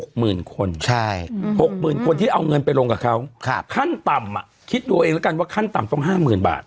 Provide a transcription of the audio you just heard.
หกหมื่นคนที่เอาเงินไปลงกับเขาครับขั้นต่ำอ่ะคิดดูเองแล้วกันว่าขั้นต่ำต้องห้าหมื่นบาท